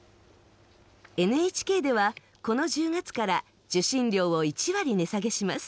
ＮＨＫではこの１０月から、受信料を１割値下げします。